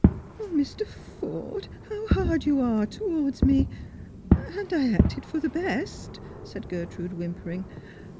" O, Mr. Forde, how hard you are towards me ! And I acted for the best," said Gertrude, whimpering.